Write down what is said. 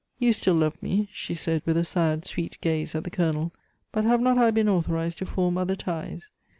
You still love me," she said, with a sad, sweet gaze at the Colonel, "but have not I been authorized to form other ties?